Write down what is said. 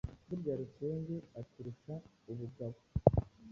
burya Rusenge aturusha ubugabo !»